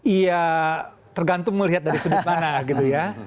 iya tergantung melihat dari sudut panah gitu ya